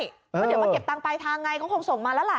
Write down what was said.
ก็เดี๋ยวมาเก็บตังไปทางไงก็คงส่งมาแล้วล่ะ